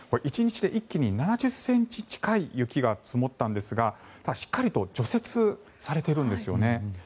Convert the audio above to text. １日で一気に７０ｃｍ近い雪が降ったんですがしっかりと除雪されているんですよね。